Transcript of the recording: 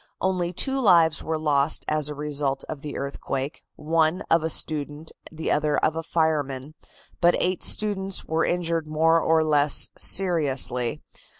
Only two lives were lost as a result of the earthquake, one of a student, the other of a fireman, but eight students were injured more or less seriously.